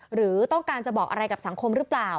หรือต้องการจะบอกอะไรกับสังคมหรือเปล่า